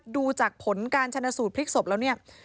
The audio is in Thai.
ดูจากผลการชนะสูตรพลิกศพแล้วเนี่ย